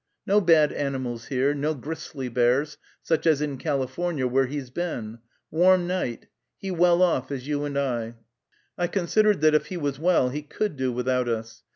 No bad animals here, no gristly bears, such as in California, where he's been, warm night, he well off as you and I." I considered that if he was well he could do without us.